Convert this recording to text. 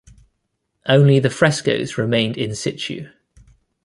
Only the frescos remained in situ.